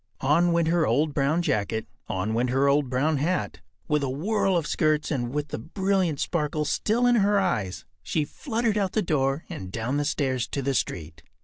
On went her old brown jacket; on went her old brown hat. With a whirl of skirts and with the brilliant sparkle still in her eyes, she fluttered out the door and down the stairs to the street.